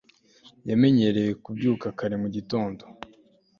yamenyereye kubyuka kare mu gitondo